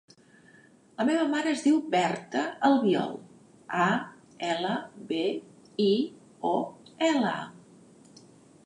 La meva mare es diu Berta Albiol: a, ela, be, i, o, ela.